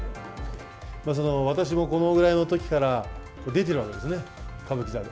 私もこのぐらいのときから出てるわけですね、歌舞伎座で。